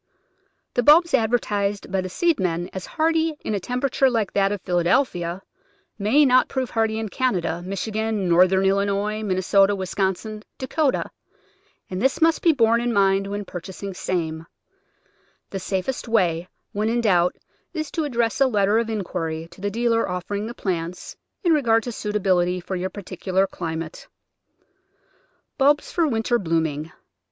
The bulbs advertised by the seedsmen as hardy in a temperature like that of Philadelphia may not prove hardy in Canada, Michigan, Northern Illinois, Min nesota, Wisconsin, Dakota, and this must be borne in mind when purchasing same. The safest way, when in Digitized by Google 192 The Flower Garden [Chapter doubt, is to address a letter of inquiry to the dealer offering the plants, in regard to suitability for your particular climate. Bulbs for winter blooming.